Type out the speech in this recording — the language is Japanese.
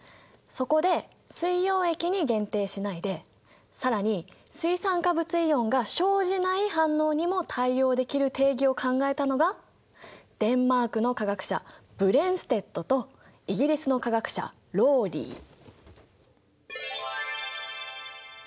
そこで水溶液に限定しないで更に水酸化物イオンが生じない反応にも対応できる定義を考えたのがデンマークの化学者ブレンステッドとイギリスの化学者ローリー。